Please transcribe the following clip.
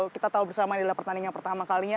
kita tahu bersama ini adalah pertandingan pertama kalinya